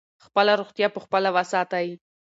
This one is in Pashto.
خپله روغتیا په خپله وساتئ.